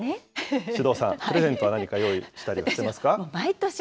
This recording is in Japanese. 首藤さん、プレゼントは何か用意したりはしてますか？